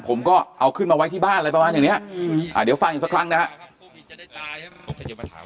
ผมก็เอาขึ้นมาไว้ที่บ้านอะไรประมาณอย่างนี้เดี๋ยวฟังอีกสักครั้งนะครับ